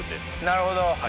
なるほど。